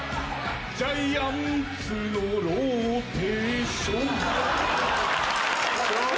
ジャイアンツのローテーション